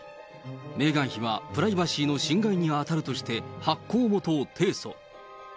メーガン妃はプライバシーの侵害に当たるとして、発行元を提訴。